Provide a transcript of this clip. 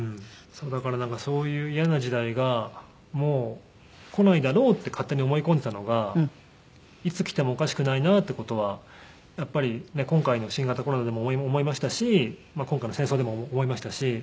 だからそういう嫌な時代がもう来ないだろうって勝手に思い込んでたのがいつ来てもおかしくないなっていう事はやっぱり今回の新型コロナでも思いましたし今回の戦争でも思いましたし。